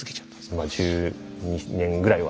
まあ１２年ぐらいは。